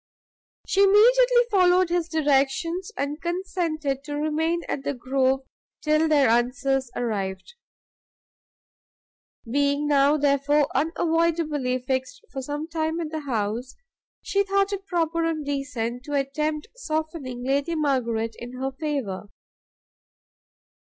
She immediately followed his directions, and consented to remain at the Grove till their answers arrived. Being now, therefore, unavoidably fixed for some time at the house, she thought it proper and decent to attempt softening Lady Margaret in her favour.